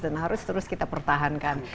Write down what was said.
dan harus terus kita pertahankan